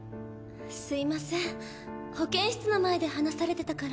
すみません保健室の前で話されてたから。